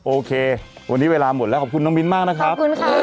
โอเควันนี้เวลาหมดแล้วขอบคุณน้องมิลมากนะครับ